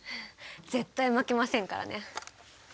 絶対負けませんからね！